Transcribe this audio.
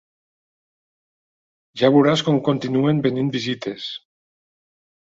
Ja veuràs com continuen venint visites.